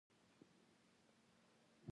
غوږونه د اذان له غږه خوند اخلي